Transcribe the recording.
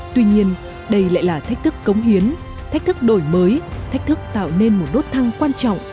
tuy nhiên đây lại là thách thức cống hiến thách thức đổi mới thách thức tạo nên một đốt thang quan trọng